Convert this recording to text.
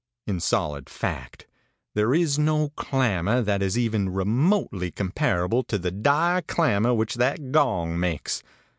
In solid fact, there is no clamor that is even remotely comparable to the dire clamor which that gong makes.